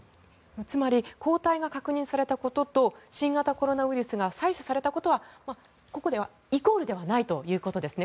つまり抗体が確認されたことと新型コロナウイルスが採取されたことはイコールではないということですね。